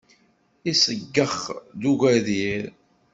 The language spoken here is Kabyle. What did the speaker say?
Iseggex d ugadir.